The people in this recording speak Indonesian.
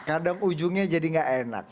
kadang ujungnya jadi gak enak